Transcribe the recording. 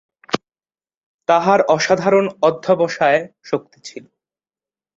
তাঁহার অসাধারণ অধ্যবসায়-শক্তি ছিল।